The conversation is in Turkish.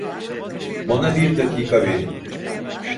Bana bir dakika verin.